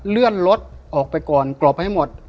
เลื่อนรถออกไปก่อนกรอบให้หมด